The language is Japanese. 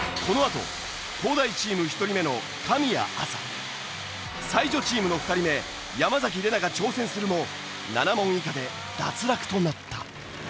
このあと東大チーム１人目の神谷明采才女チームの２人目山崎怜奈が挑戦するも７問以下で脱落となった。